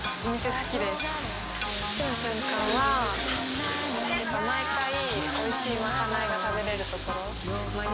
好きな瞬間は毎回おいしいまかないが食べれるところ。